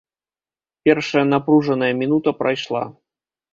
Першая напружаная мінута прайшла.